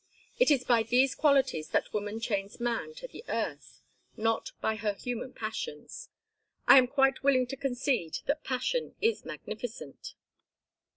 It is by these qualities that woman chains man to the earth, not by her human passions. I am quite willing to concede that passion is magnificent."